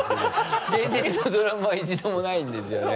現実のドラムは１度もないんですよね。